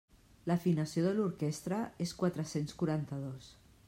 L'afinació de l'orquestra és quatre-cents quaranta-dos.